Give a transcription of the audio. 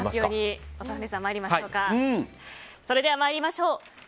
それでは参りましょう。